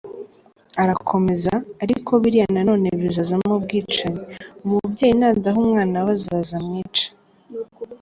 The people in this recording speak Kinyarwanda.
Arakomeza “Ariko biriya na none bizazamo ubwicanyi, umubyeyi nadaha umwana we azaza amwice.